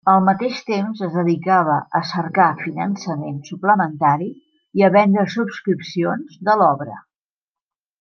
Al mateix temps es dedicava a cercar finançament suplementari i a vendre subscripcions de l'obra.